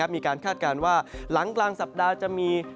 คาดการณ์ว่าหลังกลางสัปดาห์จะมี